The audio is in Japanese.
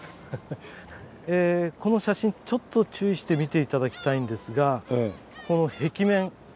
この写真ちょっと注意して見て頂きたいんですがこの壁面ここちょっとご覧下さい。